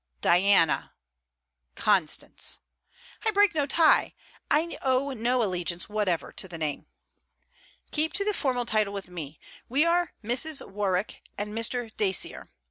'Diana!' 'Constance!' 'I break no tie. I owe no allegiance whatever to the name.' 'Keep to the formal title with me. We are Mrs. Warwick and Mr. Dacier.